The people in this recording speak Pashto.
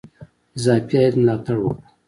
اضافي عاید ملاتړ وکړو.